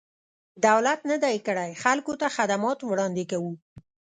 دولت نه دی کړی، خلکو ته خدمات وړاندې کوو.